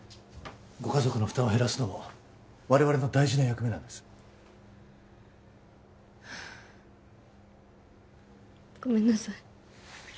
ご家族の負担を減らすのも我々の大事な役目なんですごめんなさい